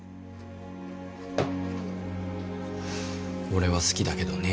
俺は好きだけどね